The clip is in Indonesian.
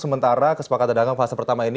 sementara kesepakatan dagang fase pertama ini